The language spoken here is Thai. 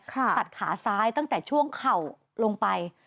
ตัดขาซ้ายตั้งแต่ช่วงเข่าลงไป